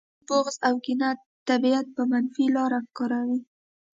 زموږ بغض او کینه طبیعت په منفي لاره کاروي